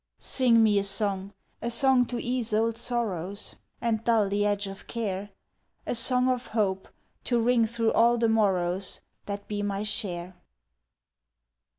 Sing me a song a song to ease old sorrows, And dull the edge of care A song of Hope, to ring through all the morrows That be my share.